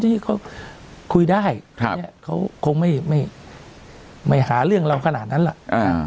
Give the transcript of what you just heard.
ที่เขาคุยได้ครับเขาคงไม่ไม่ไม่หาเรื่องเราขนาดนั้นแหละอ่า